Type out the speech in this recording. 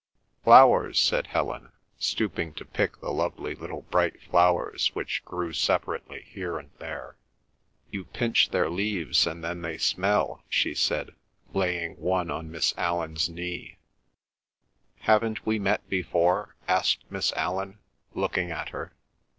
"Flowers," said Helen, stooping to pick the lovely little bright flowers which grew separately here and there. "You pinch their leaves and then they smell," she said, laying one on Miss Allan's knee. "Haven't we met before?" asked Miss Allan, looking at her.